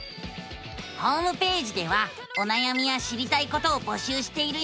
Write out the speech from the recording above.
ホームページではおなやみや知りたいことを募集しているよ！